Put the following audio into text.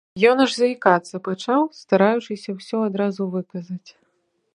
Ён аж заікацца пачаў, стараючыся ўсё адразу выказаць.